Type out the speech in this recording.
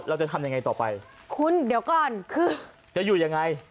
เราจะทำยังไงต่อไปคุณเดี๋ยวก่อนคือจะอยู่ยังไง